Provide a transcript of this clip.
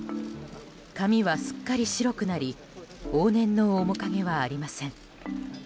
髪はすっかり白くなり往年の面影はありません。